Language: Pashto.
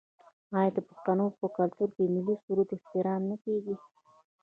آیا د پښتنو په کلتور کې د ملي سرود احترام نه کیږي؟